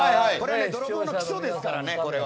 泥棒の基礎ですからね、これは。